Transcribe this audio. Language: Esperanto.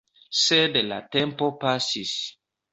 Sed la tempo pasis.